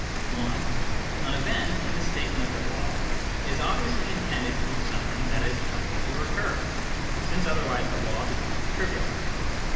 (i) An "event," in the statement of the law, is ob viously intended to be something that is likely to recur since otherwise the law becomes trivial.